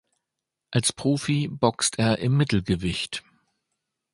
Als Profi boxt er im Mittelgewicht.